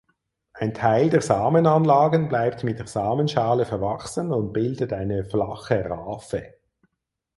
Ein Teil der Samenanlagen bleibt mit der Samenschale verwachsen und bildet eine flache Raphe.